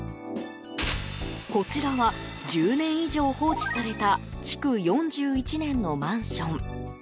こちらは、１０年以上放置された築４１年のマンション。